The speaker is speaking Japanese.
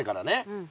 うん。